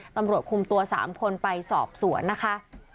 ตำรวจคุมตัว๓คนไปสอบสวนนะคะ